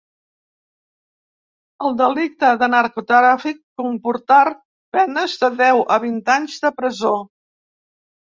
El delicte de narcotràfic comportar penes de deu a vint anys de presó.